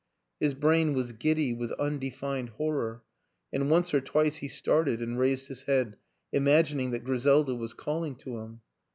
His brain was giddy with undefined horror and once or twice he started and raised his head im agining that Griselda was calling to him.